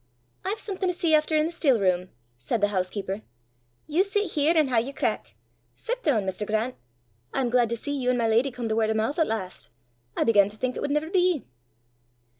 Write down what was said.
"I've something to see efter i' the still room," said the housekeeper. "You sit here and hae yer crack. Sit doon, Mr. Grant. I'm glaid to see you an' my leddy come to word o' moo' at last. I began to think it wud never be!"